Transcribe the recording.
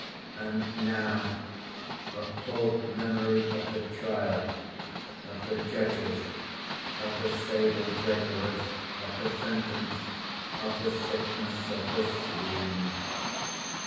And now a full memory of the trial, of the judges, of the sable draperies, of the sentence, of the sickness, of the swoon.